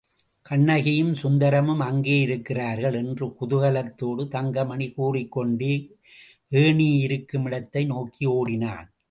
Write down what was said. கண்ணகியும் சுந்தரமும் அங்கே இருக்கிறார்கள் என்று குதூகலத்தோடு தங்கமணி கூறிக்கொண்டே ஏணியிருக்குமிடத்தை நோக்கி ஓடினான்.